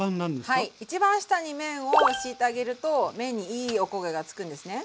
はい一番下に麺を敷いてあげると麺にいいおこげが付くんですね。